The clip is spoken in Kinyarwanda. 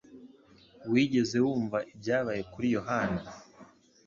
Wigeze wumva ibyabaye kuri Yohana